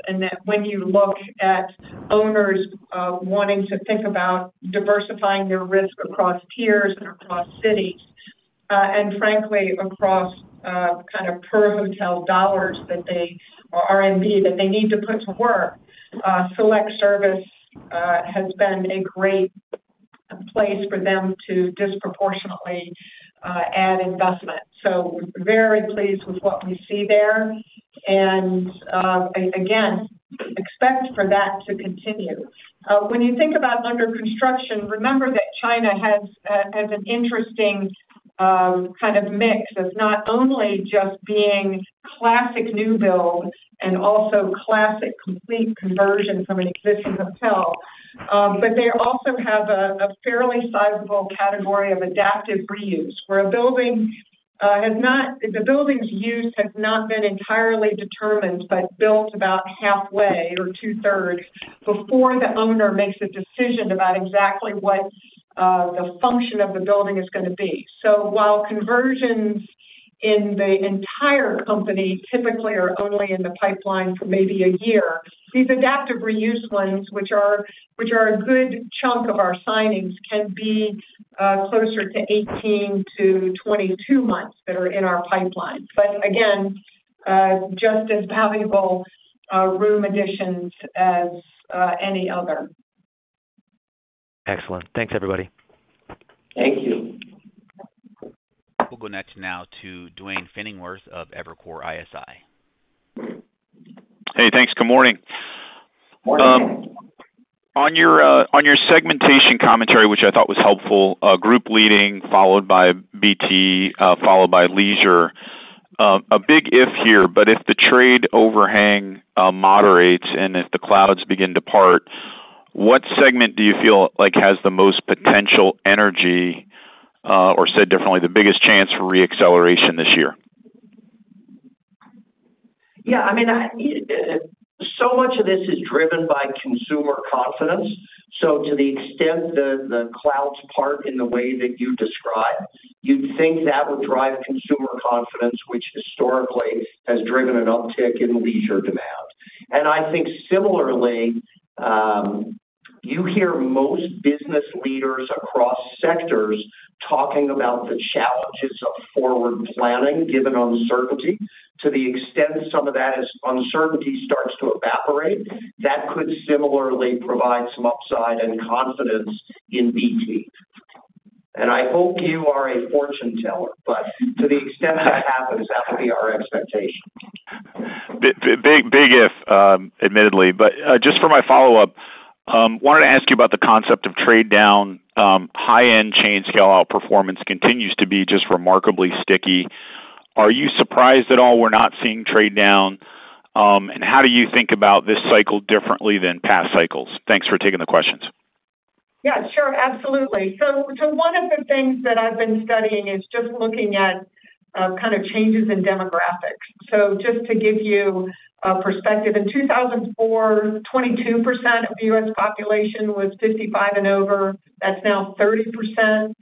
When you look at owners wanting to think about diversifying their risk across tiers and across cities and, frankly, across kind of per hotel dollars that they or R&D that they need to put to work, select service has been a great place for them to disproportionately add investment. We are very pleased with what we see there. Again, expect for that to continue. When you think about under construction, remember that China has an interesting kind of mix of not only just being classic new build and also classic complete conversion from an existing hotel, but they also have a fairly sizable category of adaptive reuse where a building has not, the building's use has not been entirely determined, but built about halfway or two-thirds before the owner makes a decision about exactly what the function of the building is going to be. While conversions in the entire company typically are only in the pipeline for maybe a year, these adaptive reuse ones, which are a good chunk of our signings, can be closer to 18-22 months that are in our pipeline. Again, just as valuable room additions as any other. Excellent. Thanks, everybody. Thank you. We'll go next now to Duane Pfennigwerth of Evercore ISI. Hey, thanks. Good morning. Morning. On your segmentation commentary, which I thought was helpful, Group leading followed by BT, followed by Leisure, a big if here, but if the trade overhang moderates and if the clouds begin to part, what segment do you feel has the most potential energy or said differently, the biggest chance for reacceleration this year? Yeah. I mean, so much of this is driven by consumer confidence. To the extent the clouds part in the way that you describe, you'd think that would drive consumer confidence, which historically has driven an uptick in leisure demand. I think similarly, you hear most business leaders across sectors talking about the challenges of forward planning given uncertainty. To the extent some of that uncertainty starts to evaporate, that could similarly provide some upside and confidence in BT. I hope you are a fortune teller, but to the extent that happens, that would be our expectation. Big if, admittedly. Just for my follow-up, wanted to ask you about the concept of trade down. High-end chain scale outperformance continues to be just remarkably sticky. Are you surprised at all we're not seeing trade down? How do you think about this cycle differently than past cycles? Thanks for taking the questions. Yeah. Sure. Absolutely. One of the things that I've been studying is just looking at kind of changes in demographics. Just to give you a perspective, in 2004, 22% of the U.S. population was 55 and over. That's now 30%.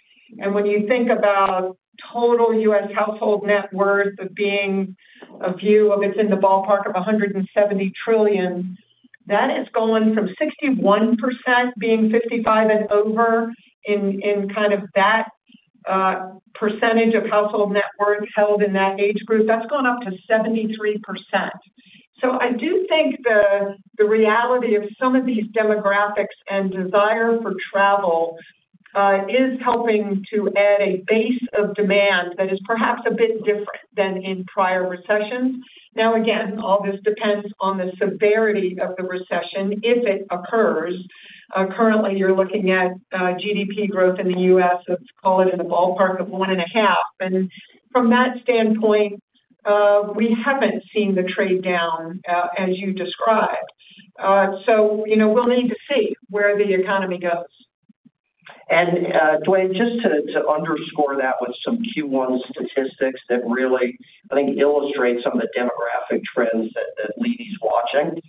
When you think about total U.S. household net worth of being a view of it's in the ballpark of $170 trillion, that is going from 61% being 55 and over in kind of that percentage of household net worth held in that age group, that's gone up to 73%. I do think the reality of some of these demographics and desire for travel is helping to add a base of demand that is perhaps a bit different than in prior recessions. Now, again, all this depends on the severity of the recession if it occurs. Currently, you're looking at GDP growth in the U.S. of, call it in the ballpark of $1.5 million. From that standpoint, we haven't seen the trade down as you described. We'll need to see where the economy goes. Duane, just to underscore that with some Q1 statistics that really, I think, illustrate some of the demographic trends that Leeny is watching.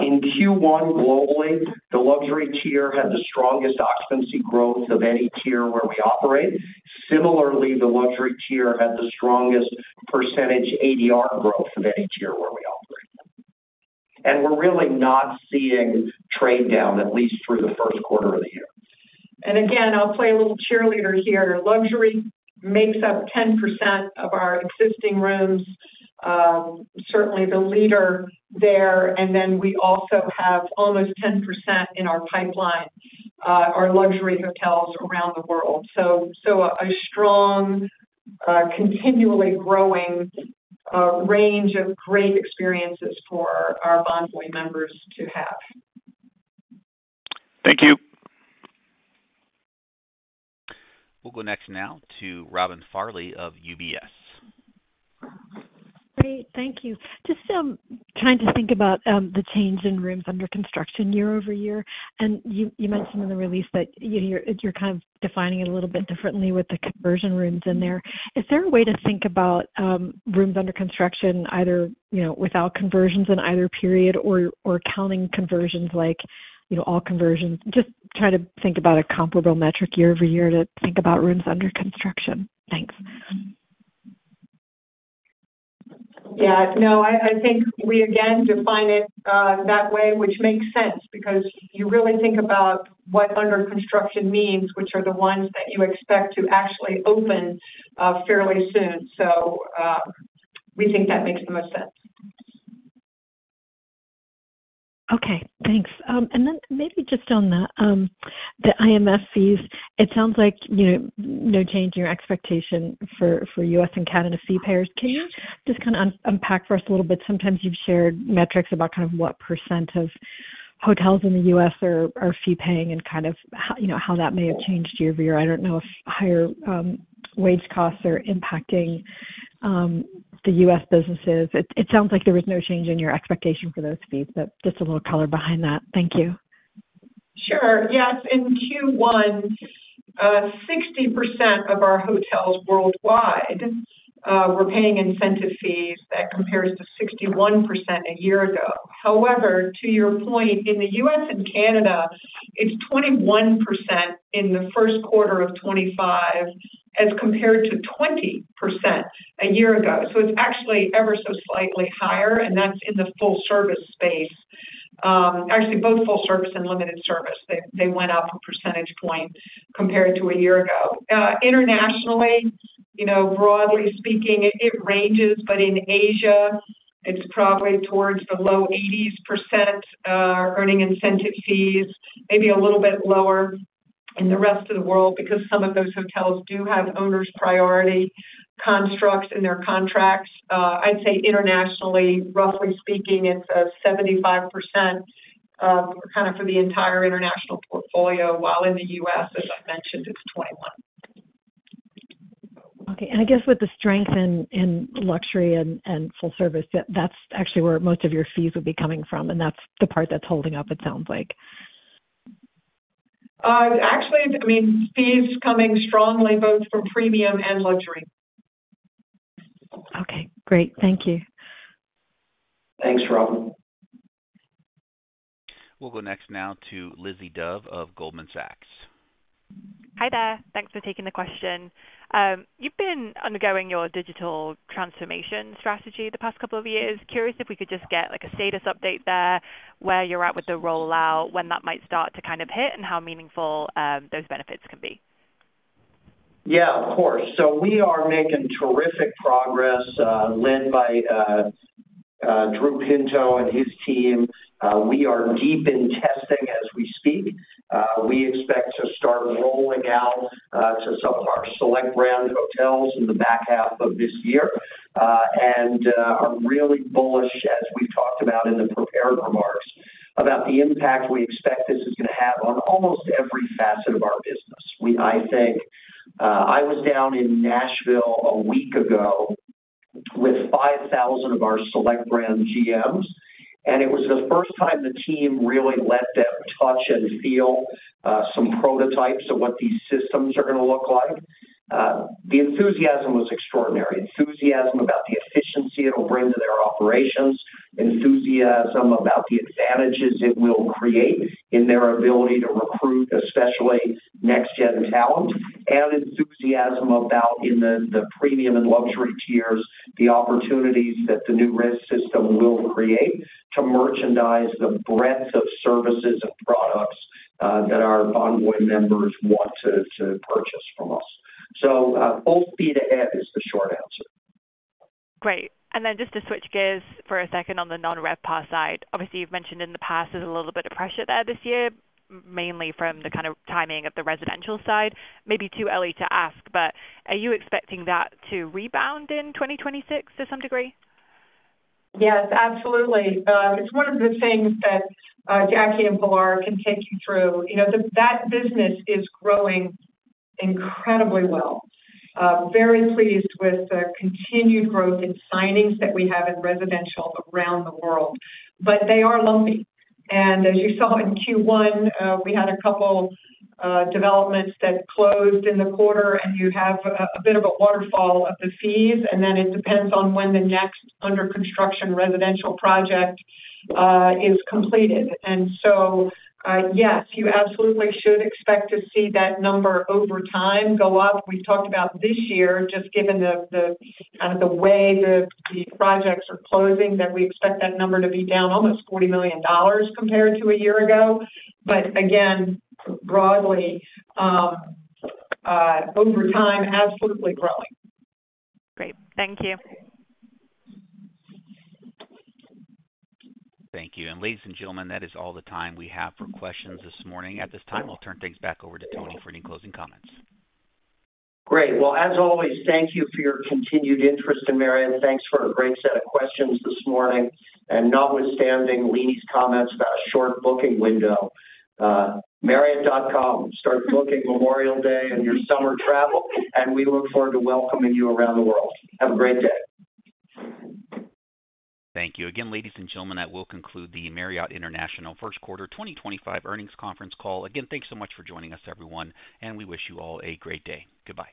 In Q1 globally, the luxury tier had the strongest occupancy growth of any tier where we operate. Similarly, the luxury tier had the strongest percentage ADR growth of any tier where we operate. We are really not seeing trade down, at least through the first quarter of the year. I'll play a little cheerleader here. Luxury makes up 10% of our existing rooms, certainly the leader there. We also have almost 10% in our pipeline, our luxury hotels around the world. A strong, continually growing range of great experiences for our Bonvoy members to have. Thank you. We'll go next now to Robin Farley of UBS. Great. Thank you. Just trying to think about the change in rooms under construction year over year. You mentioned in the release that you're kind of defining it a little bit differently with the conversion rooms in there. Is there a way to think about rooms under construction either without conversions in either period or counting conversions like all conversions? Just trying to think about a comparable metric year over year to think about rooms under construction. Thanks. Yeah. No, I think we again define it that way, which makes sense because you really think about what under construction means, which are the ones that you expect to actually open fairly soon. We think that makes the most sense. Okay. Thanks. Maybe just on the IMF fees, it sounds like no change in your expectation for U.S. and Canada fee payers. Can you just kind of unpack for us a little bit? Sometimes you've shared metrics about kind of what percent of hotels in the U.S. are fee-paying and kind of how that may have changed year over year. I don't know if higher wage costs are impacting the U.S. businesses. It sounds like there was no change in your expectation for those fees, but just a little color behind that. Thank you. Sure. Yes. In Q1, 60% of our hotels worldwide were paying incentive fees. That compares to 61% a year ago. However, to your point, in the U.S. and Canada, it's 21% in the first quarter of 2025 as compared to 20% a year ago. It is actually ever so slightly higher, and that's in the full-service space. Actually, both full-service and limited service. They went up a percentage point compared to a year ago. Internationally, broadly speaking, it ranges, but in Asia, it's probably towards the low 80% earning incentive fees, maybe a little bit lower in the rest of the world because some of those hotels do have owners' priority constructs in their contracts. I'd say internationally, roughly speaking, it's 75% kind of for the entire international portfolio, while in the U.S., as I mentioned, it's 21%. Okay. I guess with the strength in luxury and full-service, that's actually where most of your fees would be coming from, and that's the part that's holding up, it sounds like. Actually, I mean, fees coming strongly both from premium and luxury. Okay. Great. Thank you. Thanks, Robin. We'll go next now to Lizzie Dove of Goldman Sachs. Hi there. Thanks for taking the question. You've been undergoing your digital transformation strategy the past couple of years. Curious if we could just get a status update there where you're at with the rollout, when that might start to kind of hit, and how meaningful those benefits can be. Yeah, of course. We are making terrific progress led by Drew Pinto and his team. We are deep in testing as we speak. We expect to start rolling out to some of our select brand hotels in the back half of this year. I'm really bullish, as we've talked about in the prepared remarks, about the impact we expect this is going to have on almost every facet of our business. I think I was down in Nashville a week ago with 5,000 of our select brand GM's, and it was the first time the team really let them touch and feel some prototypes of what these systems are going to look like. The enthusiasm was extraordinary. Enthusiasm about the efficiency it'll bring to their operations, enthusiasm about the advantages it will create in their ability to recruit, especially next-gen talent, and enthusiasm about in the premium and luxury tiers, the opportunities that the new risk system will create to merchandise the breadth of services and products that our Bonvoy members want to purchase from us. Full speed ahead is the short answer. Great. Just to switch gears for a second on the non-RevPAR side, obviously, you've mentioned in the past there's a little bit of pressure there this year, mainly from the kind of timing of the residential side. Maybe too early to ask, but are you expecting that to rebound in 2026 to some degree? Yes, absolutely. It's one of the things that Jackie and Pilar can take you through. That business is growing incredibly well. Very pleased with the continued growth in signings that we have in residential around the world, but they are lumpy. As you saw in Q1, we had a couple developments that closed in the quarter, and you have a bit of a waterfall of the fees, and then it depends on when the next under construction residential project is completed. Yes, you absolutely should expect to see that number over time go up. We've talked about this year, just given the kind of the way the projects are closing, that we expect that number to be down almost $40 million compared to a year ago. Again, broadly, over time, absolutely growing. Great. Thank you. Thank you. Ladies and gentlemen, that is all the time we have for questions this morning. At this time, I'll turn things back over to Thony for any closing comments. Great. As always, thank you for your continued interest in Marriott. Thanks for a great set of questions this morning. Notwithstanding Leeny's comments about a short booking window, marriott.com, start booking Memorial Day and your summer travel, and we look forward to welcoming you around the world. Have a great day. Thank you. Again, ladies and gentlemen, that will conclude the Marriott International First Quarter 2025 earnings conference call. Again, thanks so much for joining us, everyone, and we wish you all a great day. Goodbye.